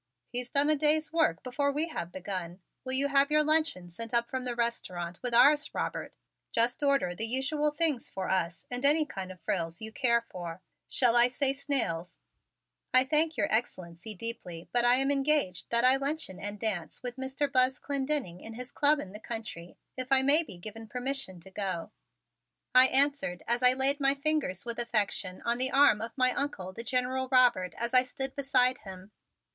"He's done a day's work before we have begun. Will you have your luncheon sent up from the restaurant with ours, Robert? Just order the usual things for us and any kind of frills you care for. Shall I say snails?" "I thank Your Excellency deeply but I am engaged that I luncheon and dance with Mr. Buzz Clendenning in his club in the country if I may be given permission to go," I answered as I laid my fingers with affection on the arm of my Uncle, the General Robert, as I stood beside him.